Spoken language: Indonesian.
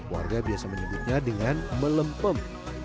warga biasa menyebutnya dengan melempem